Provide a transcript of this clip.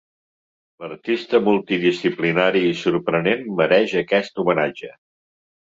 L’artista multidisciplinari i sorprenent mereix aquest homenatge.